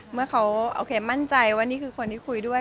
เมื่อเขาโอเคมั่นใจว่านี่คือคนที่คุยด้วย